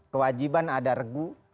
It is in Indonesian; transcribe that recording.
kewajiban ada regu